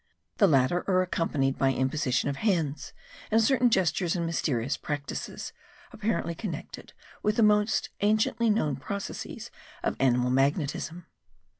The latter are accompanied by imposition of hands, and certain gestures and mysterious practices, apparently connected with the most anciently known processes of animal magnetism.